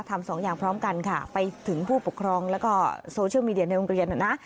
สองอย่างพร้อมกันค่ะไปถึงผู้ปกครองแล้วก็โซเชียลมีเดียในโรงเรียนนะ